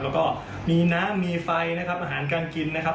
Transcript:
แล้วก็มีน้ำมีไฟนะครับอาหารการกินนะครับ